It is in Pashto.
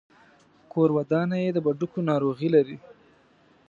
کورودانه يې د بډوګو ناروغي لري.